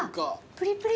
プリプリ。